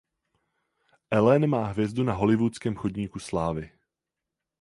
Allen má hvězdu na Hollywoodském chodníku slávy.